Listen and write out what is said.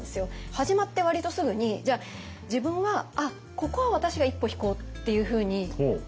始まって割とすぐに自分は「あっここは私が一歩引こう」っていうふうに思ったんですよね。